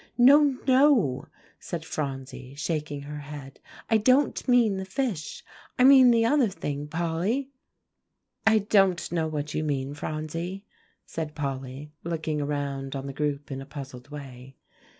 "No, no," said Phronsie, shaking her head, "I don't mean the fish. I mean the other thing, Polly." "I don't know what you mean, Phronsie," said Polly, looking around on the group in a puzzled way.